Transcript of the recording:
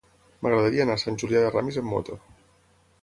M'agradaria anar a Sant Julià de Ramis amb moto.